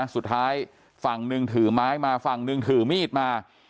สุดท้ายฝั่งหนึ่งถือไม้มาฝั่งหนึ่งถือมีดมา